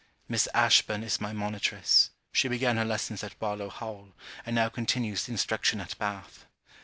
Miss Ashburn is my monitress, she began her lessons at Barlowe Hall, and now continues the instruction at Bath.